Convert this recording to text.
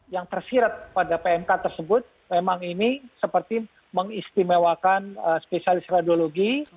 yang tersirat pada pmk tersebut memang ini seperti mengistimewakan spesialis radiologi